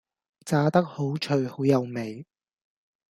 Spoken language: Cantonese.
炸得好脆好有味